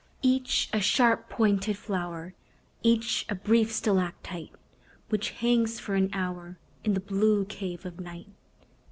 Each a sharp pointed flower, Each a brief stalactite Which hangs for an hour In the blue cave of night.